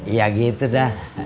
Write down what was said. ya gitu dah